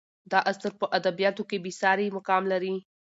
دا اثر په ادبیاتو کې بې سارې مقام لري.